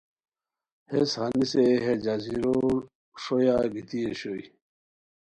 ہیس ہنیسے ہے جزیرو ݰویا گیتی اوشوئے